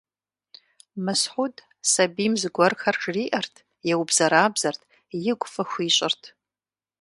Мысхьуд сабийм зыгуэрхэр жыриӀэрт, еубзэрабзэрт, игу фӀы хуищӀырт.